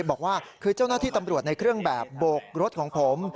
บอกว่าคือเจ้าหน้าที่ตำรวจในเครื่องแบบโบกรถของผม